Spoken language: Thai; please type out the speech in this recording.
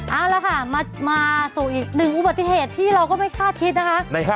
เอาละค่ะมาสู่อีกหนึ่งอุบัติเหตุที่เราก็ไม่คาดคิดนะคะ